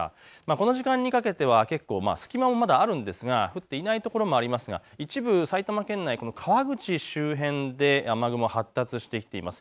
この時間にかけては隙間もまだありますが、降っていないところもありますが一部、埼玉県内、川口周辺で雨雲が発達してきています。